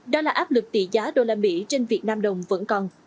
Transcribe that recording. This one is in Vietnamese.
đó là áp lực tỷ giá đô la mỹ trên việt nam đồng vẫn còn